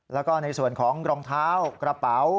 แล้วก็ในส่วนของรองเท้ากระเป๋า